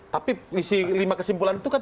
tapi isi lima kesimpulan itu kan